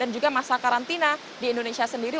dan juga masa karantina di indonesia sendiri